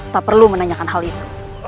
tak perlu menanyakan hal itu